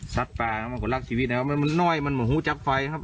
ซักปลาครับมันกว่าลักษณ์ชีวิตนะครับมันมันน้อยมันเหมือนหูจับไฟครับ